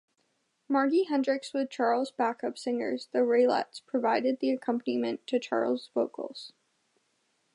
Margie Hendricks with Charles' backup singers the Raelettes provided the accompaniment to Charles' vocals.